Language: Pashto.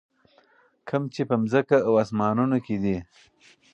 کوم چې په ځکمه او اسمانونو کي دي.